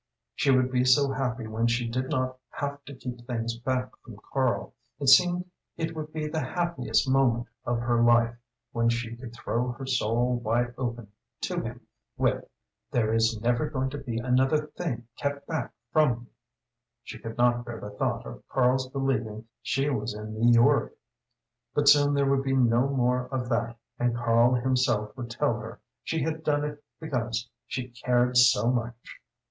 She would be so happy when she did not have to keep things back from Karl. It seemed it would be the happiest moment of her life when she could throw her soul wide open to him with "There is never going to be another thing kept back from you!" She could not bear the thought of Karl's believing she was in New York. But soon there would be no more of that, and Karl himself would tell her she had done it because she cared so much.